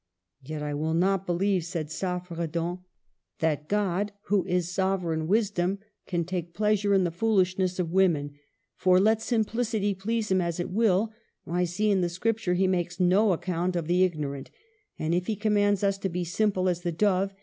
"'Yet I will not beheve," said Saffredant, "that THE '' heptameron:' 239 God, who is sovereign wisdom, can take pleasure in the foolishness of women ; for let simplicity please Him as it will, I see in the Scripture He makes no account of the ignorant ; and if He commands us to be simple as the dove.